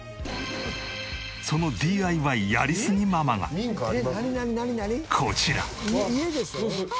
そのＤＩＹやりすぎママがこちら。